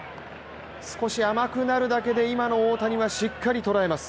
少し甘くなるだけで今の大谷はしっかり捉えます。